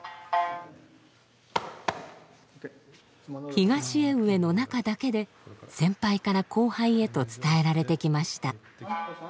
東江上の中だけで先輩から後輩へと伝えられてきました。